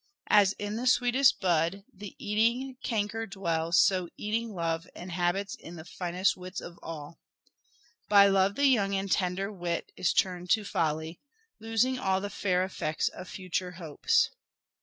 As in the sweetest bud The eating canker dwells, so eating love Inhabits in the finest wits of all. By love the young and tender wit Is turn'd to folly Losing all the fair effects of future hopes.